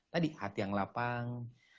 tadi hati yang lapang